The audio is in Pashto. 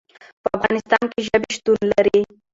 په افغانستان کې ژبې شتون لري.